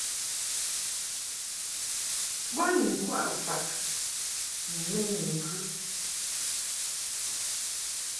Bo ni ŋkwaʼ faʼ ni mɨnyi ŋgɨ.